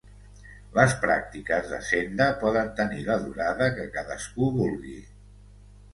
Les pràctiques de Senda poden tenir la durada que cadascú vulgui.